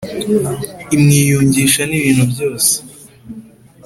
imwiyungisha n’ibintu byose